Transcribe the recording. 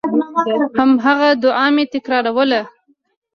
هماغه دعا مې تکراروله.